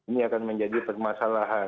ini akan menjadi permasalahan